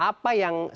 apa yang terjadi